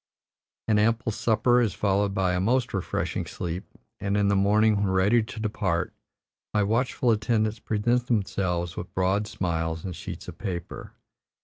An ample supper is followed by a most refreshing sleep, and in the morning, when ready to depart, my watchful attendants present themselves with broad smiles and sheets of paper.